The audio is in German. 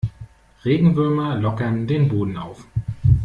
Regenwürmer lockern den Boden auf.